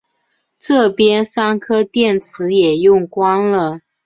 这边三颗电池也用光了